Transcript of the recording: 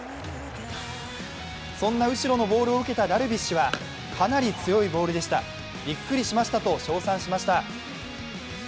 そんな右代のボールを受けたダルビッシュは、かなり強いボールでびっくりしましたと称賛しました。